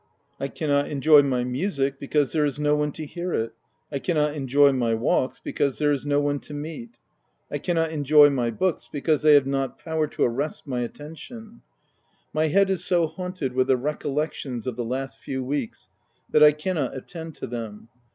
I cannot enjoy my music, 270 THE TENANT. because there is no one to hear it. I cannot enjoy my walks, because there is no one to meet. I cannot enjoy my books, because they have not power to arrest my attention : my head is so haunted with the recollections of the last few weeks that I cannot attend to them.